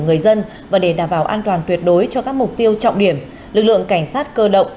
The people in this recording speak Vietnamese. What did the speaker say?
người dân và để đảm bảo an toàn tuyệt đối cho các mục tiêu trọng điểm lực lượng cảnh sát cơ động